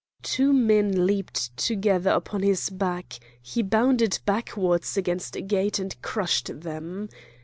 Two men leaped together upon his back; he bounded backwards against a gate and crushed them.